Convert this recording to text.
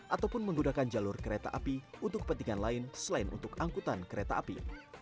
ataupun menggunakan jalur kereta api untuk kepentingan lain selain untuk angkutan kereta api